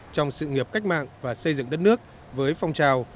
trong sự nghiệp cách mạng và xây dựng đất nước với phong trào